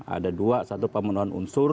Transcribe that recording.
ada dua satu pemenuhan unsur